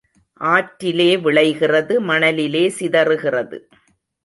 ஆற்றிலே விளைகிறது மணலிலே சிதறுகிறது.